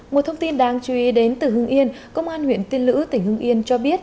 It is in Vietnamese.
một thông tin đáng chú ý đến từ hưng yên công an huyện tiên lữ tỉnh hưng yên cho biết